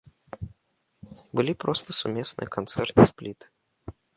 Былі проста сумесныя канцэрты-спліты.